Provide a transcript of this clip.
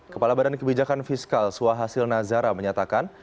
kepala badan kebijakan fiskal suahasil nazara menyatakan